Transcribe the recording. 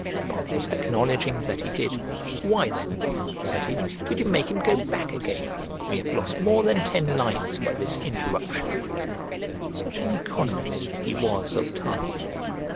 Upon his acknowledging that he did, "Why then," said he, "did you make him go back again? We have lost more than ten lines by this interruption." Such an economist he was of time!